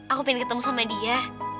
aku ingin ketemu sama dia